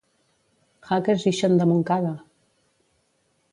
Haques ixen de Montcada!